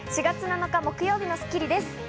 ４月７日、木曜日の『スッキリ』です。